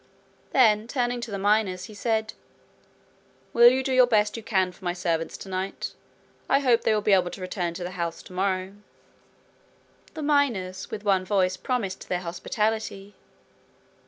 Then turning to the miners, he said: 'Will you do the best you can for my servants tonight? I hope they will be able to return to the house tomorrow.' The miners with one voice promised their hospitality.